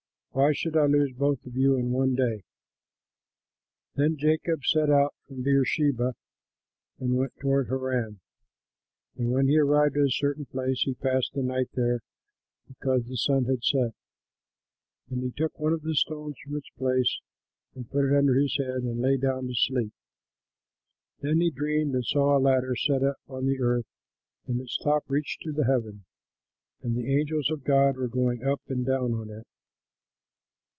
Why should I lose both of you in one day?" Then Jacob set out from Beersheba and went toward Haran. And when he arrived at a certain place, he passed the night there, because the sun had set. And he took one of the stones from its place and put it under his head and lay down to sleep. Then he dreamed and saw a ladder set up on the earth, and its top reached to heaven; and the angels of God were going up and down on it.